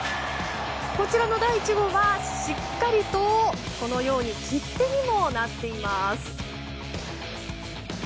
こちらの第１号は、しっかりと切手にもなっています。